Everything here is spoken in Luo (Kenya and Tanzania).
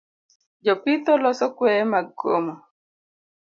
Jopitho loso kweye mag komo